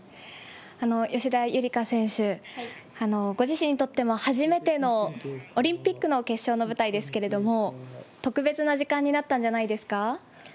吉田夕梨花選手、ご自身にとっても初めてのオリンピックの決勝の舞台ですけれども、特別な時間になったんじゃないですか？